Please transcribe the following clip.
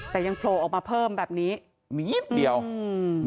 แต่ยังโผล่ออกมาเพิ่มแบบนี้มียิบเดียวอืม